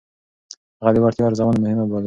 هغه د وړتيا ارزونه مهمه بلله.